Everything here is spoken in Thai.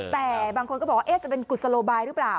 แต่บางคนก็บอกว่าจะเป็นกุศโลบายหรือเปล่า